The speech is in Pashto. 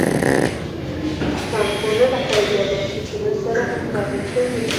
بانکونه د خیریه بنسټونو سره همکاري کوي.